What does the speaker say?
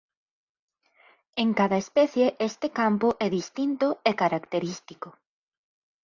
En cada especie este campo é distinto e característico.